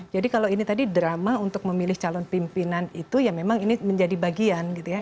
jadi kalau ini tadi drama untuk memilih calon pimpinan itu ya memang ini menjadi bagian gitu ya